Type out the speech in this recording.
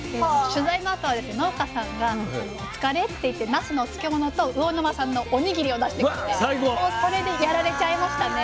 取材のあとは農家さんが「お疲れ」って言ってなすのお漬物と魚沼産のお握りを出してきてもうそれでやられちゃいましたね。